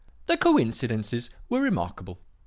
"The coincidences were remarkable.